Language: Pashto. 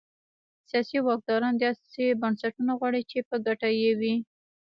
سیاسي واکداران داسې بنسټونه غواړي چې په ګټه یې وي.